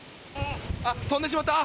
あ、飛んでしまった！